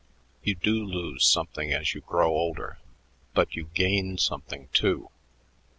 You do lose something as you grow older, but you gain something, too.